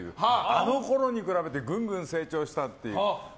あのころに比べてぐんぐん成長したっていう。